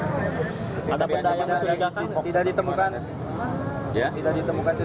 ada benda yang mencurigakan tidak ditemukan